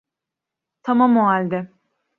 Tamam o halde.